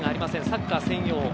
サッカー専用。